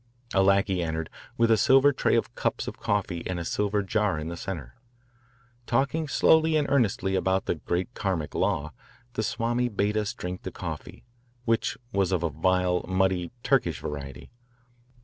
A lackey entered with a silver tray of cups of coffee and a silver jar in the centre. Talking slowly and earnestly about the "great Karmic law," the Swami bade us drink the coffee, which was of a vile, muddy, Turkish variety.